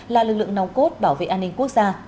là lực lượng nòng cốt bảo vệ an ninh quốc gia